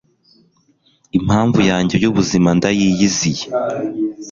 impamvu yanjye y'ubuzima ndayiyiziye.